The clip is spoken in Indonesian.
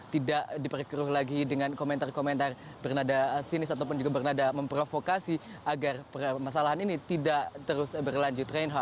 tidak diperkeruh lagi dengan komentar komentar bernada sinis ataupun juga bernada memprovokasi agar permasalahan ini tidak terus berlanjut